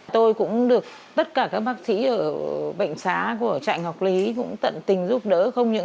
tôi cũng được tất cả các bác sĩ ở bệnh xá của trại ngọc lý cũng tận tình giúp đỡ